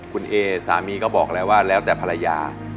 คุณเอสามีก็บอกแล้วว่าแล้วแต่ภรรยา